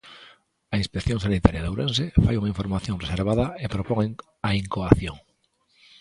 A Inspección Sanitaria de Ourense fai unha información reservada e propón a incoación.